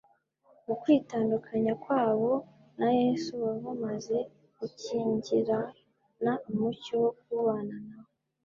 Mu kwitandukanya kwabo na Yesu, baba bamaze gukingirana umucyo wo kubana na We